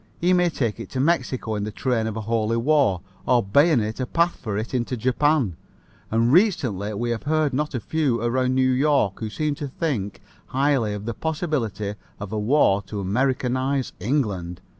He may take it to Mexico in the train of a holy war or bayonet a path for it into Japan, and recently we have heard not a few around New York who seem to think highly of the possibility of a war to Americanize England.